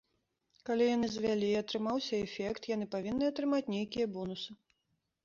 Калі яны звялі і атрымаўся эфект, яны павінны атрымаць нейкія бонусы.